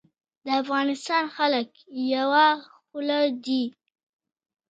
د افغانستان خلک یوه خوله دي